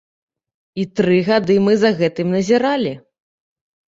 І тры гады мы за гэтым назіралі.